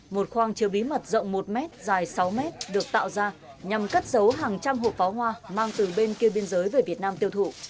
một khoang chứa bí mật rộng một mét dài sáu mét được tạo ra nhằm cất dấu hàng trăm hộp pháo hoa mang từ bên kia biên giới về việt nam tiêu thụ